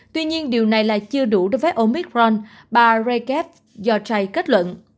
tuy nhiên điều này là chưa đủ đối với omicron bà jareff kết luận